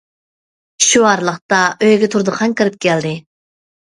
شۇ ئارىلىقتا ئۆيگە تۇردىخان كىرىپ كەلدى.